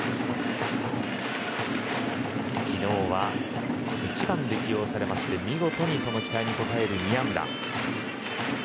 昨日は１番で起用されまして見事にその期待に応える２安打。